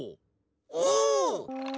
お！